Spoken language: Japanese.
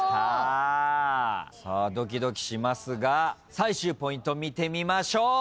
さあドキドキしますが最終ポイント見てみましょう。